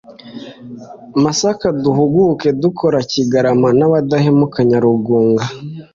Masaka Duhuguke dukora Kigarama n Abadahemuka Nyarugunga